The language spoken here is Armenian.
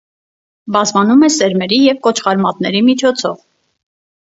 Բազմանում է սերմերի և կոճղարմատների միջոցով։